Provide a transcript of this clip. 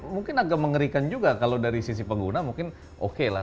mungkin agak mengerikan juga kalau dari sisi pengguna mungkin oke lah